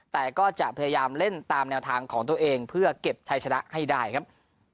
แต่ก็จะพยายามเล่นตามแนวทางของตัวเองเพื่อเก็บชัยชนะให้ได้ครับ